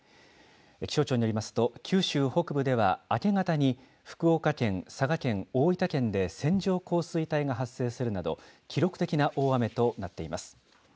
気象庁によりますと、九州北部では明け方に福岡県、佐賀県、大分県で線状降水帯が発生するなど、記録的な大雨となっています。